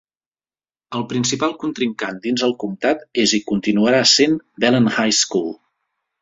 El principal contrincant dins el comptat és i continuarà sent Belen High School.